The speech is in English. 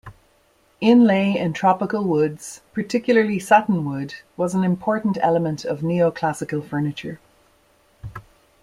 Inlay in tropical woods, particularly satinwood, was an important element of Neo-classical furniture.